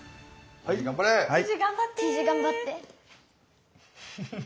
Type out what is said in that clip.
じいじ頑張って。